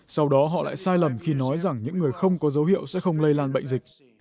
sau đó họ lại sai lầm khi nói rằng những người không có dấu hiệu sẽ không lây lan bệnh dịch